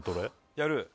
やる？